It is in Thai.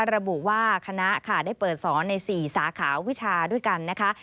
ระบุว่าคณะค่ะได้เปิดสอนใน๔สาขาวิชาด้วยกันนะคะ